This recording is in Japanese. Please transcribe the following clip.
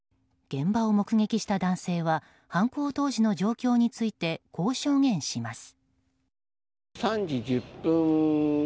現場を目撃した男性は犯行当時の状況についてこう証言します。